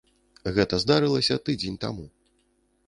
Гэта здарылася тыдзень таму.